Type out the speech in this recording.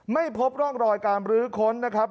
ไม่พบร่องรอยการบรื้อค้นนะครับ